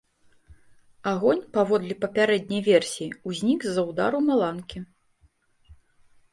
Агонь, паводле папярэдняй версіі, узнік з-за ўдару маланкі.